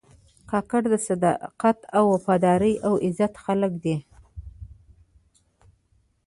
کاکړ د صداقت، وفادارۍ او عزت خلک دي.